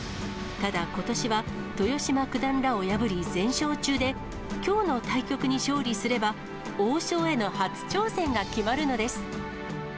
ただ、ことしは豊島九段らを破り、全勝中で、きょうの対局に勝利すれば、王将への初挑戦が決まるのです。